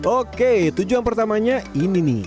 oke tujuan pertamanya ini nih